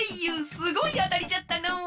すごいあたりじゃったのう！